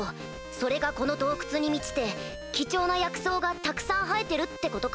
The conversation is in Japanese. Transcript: それがこの洞窟に満ちて貴重な薬草がたくさん生えてるってことか。